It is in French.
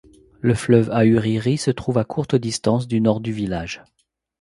Le fleuve Ahuriri se trouve à courte distance du nord du village.